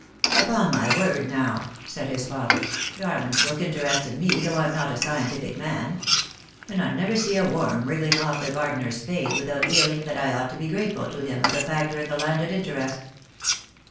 "Upon my word, now," said his father, "Darwin's book interested me, though I'm not a scientific man. And I never see a worm wriggling off the gardener's spade without feeling that I ought to be grateful to him as a factor in the landed interest.